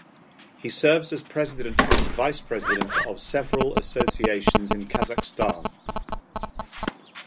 He serves as President and Vice President of several associations in Kazakhstan.